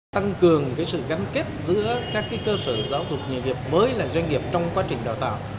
tăng cường sự gắn kết giữa các cơ sở giáo dục nghề nghiệp mới là doanh nghiệp trong quá trình đào tạo